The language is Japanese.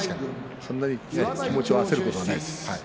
そんなに気持ちは焦ることないです。